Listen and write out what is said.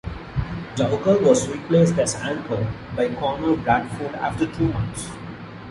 Dougal was replaced as anchor by Conor Bradford after two months.